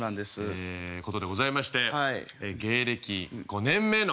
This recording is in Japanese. ええことでございまして芸歴５年目の。